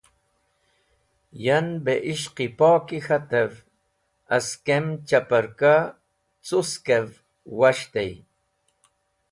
Yan beh ishq-e pok-e k̃hatev askem chaparka cuskev was̃hti.